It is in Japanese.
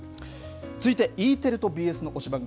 続いてＥテレとＢＳの推しバン！